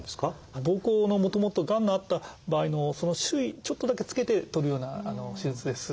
膀胱のもともとがんのあった場合のその周囲ちょっとだけつけて取るような手術です。